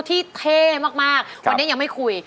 เท่มากวันนี้ยังไม่คุย